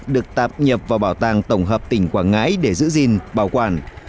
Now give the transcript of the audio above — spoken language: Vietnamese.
được tạp nhập vào bảo tàng tổng hợp tỉnh quảng ngãi để giữ gìn bảo quản